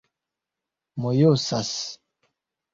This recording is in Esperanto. mojosas